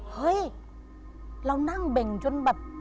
เฮ้ยเรานั่งเบ่งจนแบบ